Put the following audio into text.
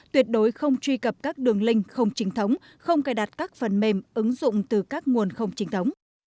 tuyệt đối không truy cập các đường link không chính thống không cài đặt các phần mềm ứng dụng từ các nguồn không chính thống